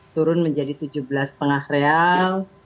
turun menjadi tujuh belas lima real